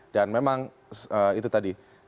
dan memang itu tadi